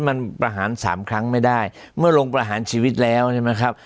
มันประหารสามครั้งไม่ได้เมื่อลงประหารชีวิตแล้วใช่ไหมครับ